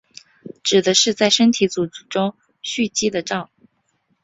指的是在身体组织中蓄积的脓。